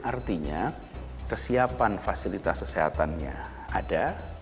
artinya kesiapan fasilitas kesehatannya ada